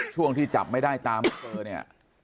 ช่วงที่จับไม่ได้ตามมาเจอเนี่ย